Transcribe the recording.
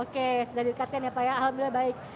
oke sudah didekatkan ya pak ya alhamdulillah baik